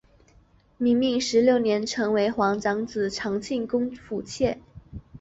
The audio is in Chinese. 明命十六年成为皇长子长庆公府妾。